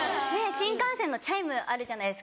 新幹線のチャイムあるじゃないですか。